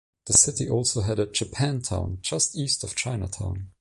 The city also had a Japantown, just east of Chinatown.